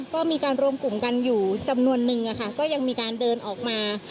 ก็มีการรวมกลุ่มกันอยู่จำนวนนึงก็ยังมีการเดินออกมา